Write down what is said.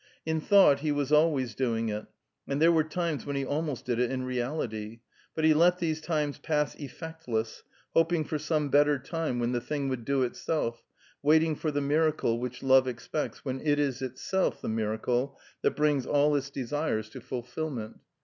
In thought he was always doing it, and there were times when he almost did it in reality, but he let these times pass effectless, hoping for some better time when the thing would do itself, waiting for the miracle which love expects, when it is itself the miracle that brings all its desires to fulfilment.